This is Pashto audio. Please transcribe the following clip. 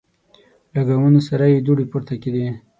له ګامونو سره یې دوړې پورته کیدې.